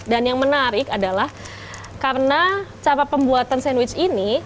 dan yang menarik adalah karena cara pembuatan sandwich ini